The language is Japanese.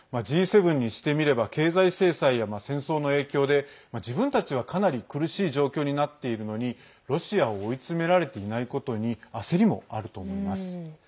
Ｇ７にしてみれば経済制裁や戦争の影響で自分たちはかなり苦しい状況になっているのにロシアを追い詰められていないことに焦りもあると思います。